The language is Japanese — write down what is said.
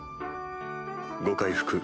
ご回復